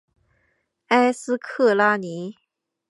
埃斯克拉尼。